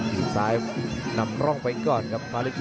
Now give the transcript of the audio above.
หยุดซ้ายนำร่องไปก่อนครับพลาดเอก